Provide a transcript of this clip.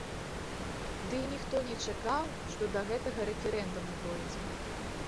Ды і ніхто не чакаў, што да гэтага рэферэндуму дойдзе!